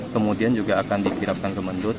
kemudian juga akan dikirapkan ke mendut